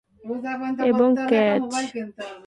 এবং "ক্যাচ"।